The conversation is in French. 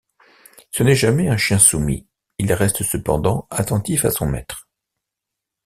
Ce n'est jamais un chien soumis, il reste cependant attentif à son maître.